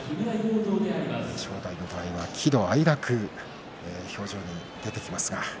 正代の場合は喜怒哀楽表情に出てきます。